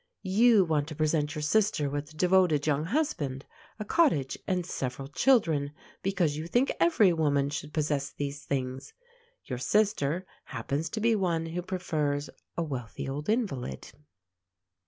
You want to present your sister with a devoted young husband, a cottage, and several children, because you think every woman should possess these things. Your sister happens to be one who prefers a wealthy old invalid.